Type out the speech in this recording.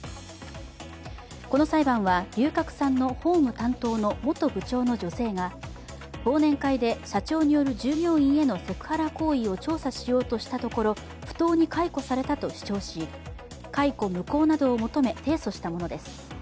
この裁判は、龍角散の法務担当の元部長の女性が忘年会で社長による従業員へのセクハラ行為を調査しようとしたところ、不当に解雇されたと主張し解雇無効などを求め提訴したものです。